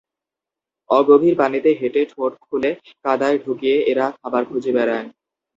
অগভীর পানিতে হেঁটে ঠোঁট খুলে কাদায় ঢুকিয়ে এরা খাবার খুঁজে বেড়ায়।